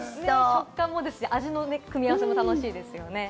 食感も味の組み合わせも楽しいですよね。